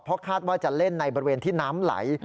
เพราะคาดว่าจะเล่นในบริเวณที่น้ำไหล